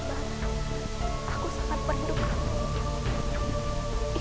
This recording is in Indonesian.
aku sangat perlukan